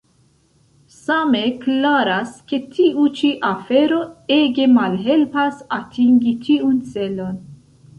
Same klaras, ke tiu ĉi afero ege malhelpas atingi tiun celon.